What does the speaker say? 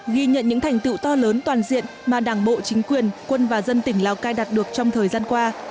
ghi nhận những thành tựu to lớn toàn diện mà đảng bộ chính quyền quân và dân tỉnh lào cai đạt được trong thời gian qua